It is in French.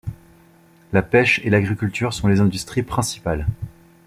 La pêche et l'agriculture sont les industries principales.